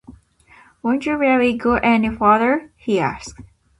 “Won’t you really go any farther?” he asked.